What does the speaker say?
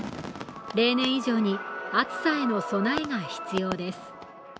例年以上に、暑さへの備えが必要です。